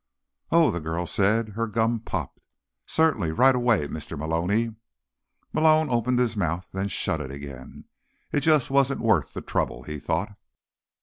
"Oh," the girl said. Her gum popped. "Certainly. Right away, Mr. Maloney." Malone opened his mouth, then shut it again. It just wasn't worth the trouble, he thought.